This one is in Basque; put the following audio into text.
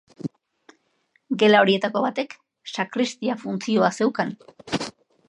Gela horietako batek sakristia funtzioa zeukan.